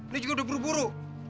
ini juga udah buru buru